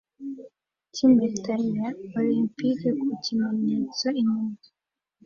cyimpeta ya olempike ku kimenyetso inyuma